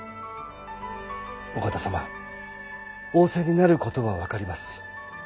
お方様仰せになることは分かります。